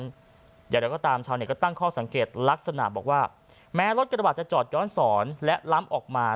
อย่างไรก็ตามชาวเน็ตก็ตั้งข้อสังเกตลักษณะบอกว่าแม้รถกระบาดจะจอดย้อนสอนและล้ำออกมา